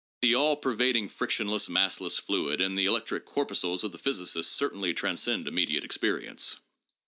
The all pervading frictionless, massless fluid and the electric corpuscles of the physicist certainly transcend immediate experience.